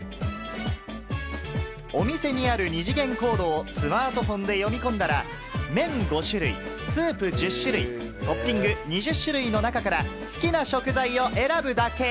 お店にある二次元コードをスマートフォンで読み込んだら、麺５種類、スープ１０種類、トッピング２０種類の中から好きな食材を選ぶだけ。